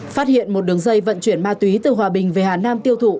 phát hiện một đường dây vận chuyển ma túy từ hòa bình về hà nam tiêu thụ